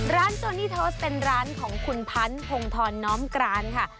โจนี่ทอสเป็นร้านของคุณพันธ์พงธรน้อมกรานค่ะ